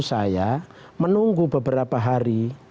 saya menunggu beberapa hari